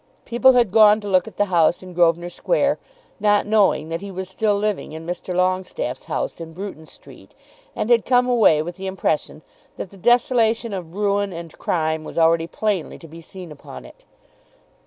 People had gone to look at the house in Grosvenor Square, not knowing that he was still living in Mr. Longestaffe's house in Bruton Street, and had come away with the impression that the desolation of ruin and crime was already plainly to be seen upon it.